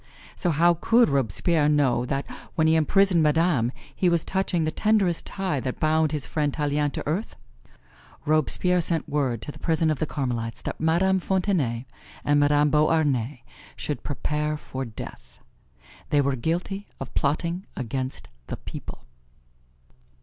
So how could Robespierre know that when he imprisoned Madame he was touching the tenderest tie that bound his friend Tallien to earth? Robespierre sent word to the prison of the Carmelites that Madame Fontenay and Madame Beauharnais should prepare for death they were guilty of plotting against the people.